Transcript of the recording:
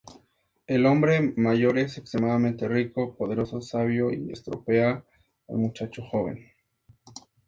El hombre mayor es extremadamente rico, poderoso, sabio y "estropea" al muchacho joven.